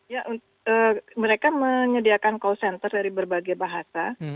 ya mereka menyediakan call center dari berbagai bahasa